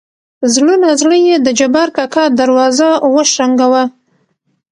زړه نازړه يې د جبار کاکا دروازه وشرنګه وه.